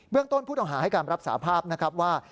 เบื้องต้นพูดอาหารให้การรับสาภาพนะครับว่า